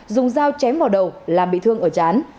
dùng dao chém vào đầu làm bị thương ở chán